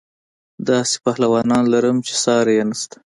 داسې پهلوانان لرم چې ساری یې نشته.